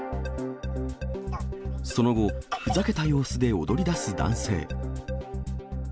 その後、ふざけた様子で踊りだす男性。